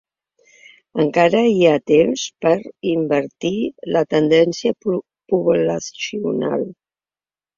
Encara hi ha temps per a invertir la tendència poblacional?